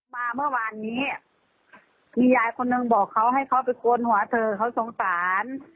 มาเมื่อวานนี้มียายคนหนึ่งบอกเขาให้เขาไปโกนหัวเธอเขาสงสาร